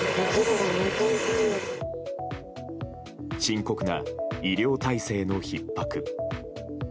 深刻な医療体制のひっ迫。